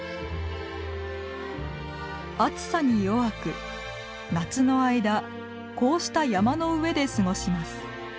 暑さに弱く夏の間こうした山の上で過ごします。